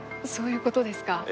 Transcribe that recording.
そういうことですか。